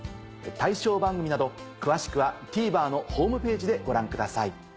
対象番組など詳しくはＴＶｅｒのホームページでご覧ください。